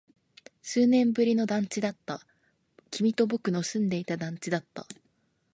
数年ぶりの団地だった。君と僕の住んでいた団地だった。